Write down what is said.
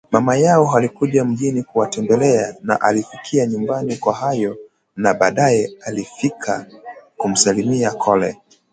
Mama yao alikuja mjini kuwatembelea na alifikia nyumbani kwa Anyoo na baadae alifika kumsalimia Kole